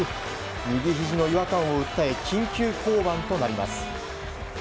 右ひじの違和感を訴え緊急降板となります。